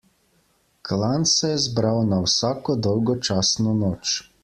Klan se je zbral na vsako dolgočasno noč.